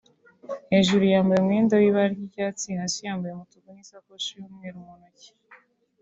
hejuru yambaye umwenda w’ibara ry’icyatsi hasi yambaye umutuku n’isakoshi y’umweru muntoki